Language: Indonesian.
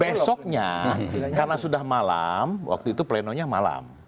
besoknya karena sudah malam waktu itu plenonya malam